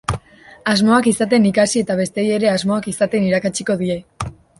Asmoak izaten ikasi eta besteei ere asmoak izaten irakatsiko die.